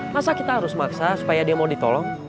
masa kita harus maksa supaya dia mau ditolong